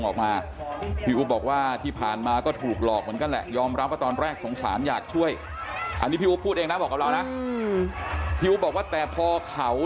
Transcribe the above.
จากนี้ไปก็แล้วแต่เวรแต่กรรมก็แล้วกัน